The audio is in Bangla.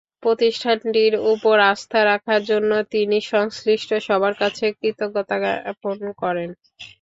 প্রতিষ্ঠানটির ওপর আস্থা রাখার জন্য তিনি সংশ্লিষ্ট সবার কাছে কৃতজ্ঞতা জ্ঞাপন করেন।